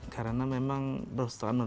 karena memang berusaha